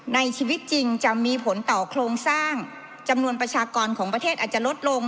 ในชีวิตจริงจะมีผลต่อโครงสร้างจำนวนประชากรของประเทศอาจจะลดลง